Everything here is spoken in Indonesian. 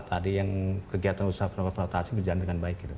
tadi yang kegiatan usaha penukaran valuta asing berjalan dengan baik